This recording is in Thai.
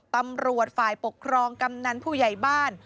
ตำรวจฝ่ายปกครองกำนันผู้ใหญ่บ้าน